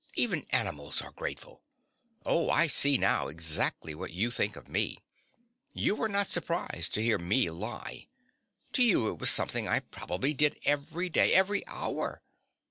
Even animals are grateful. Oh, I see now exactly what you think of me! You were not surprised to hear me lie. To you it was something I probably did every day—every hour.